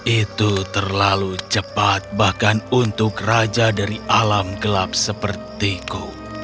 itu terlalu cepat bahkan untuk raja dari alam gelap sepertiku